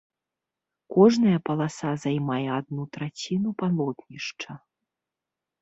Кожная паласа займае адну траціну палотнішча.